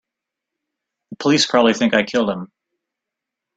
The police probably think I killed him.